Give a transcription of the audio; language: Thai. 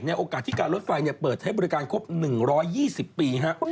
โอกาสที่การรถไฟเปิดให้บริการครบ๑๒๐ปี